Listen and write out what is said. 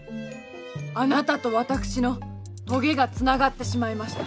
あなたと私のとげがつながってしまいました。